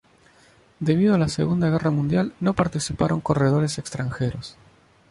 Debido a la Segunda Guerra Mundial no participaron corredores extranjeros.